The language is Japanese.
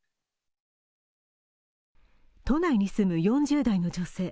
都内に住む４０代の女性。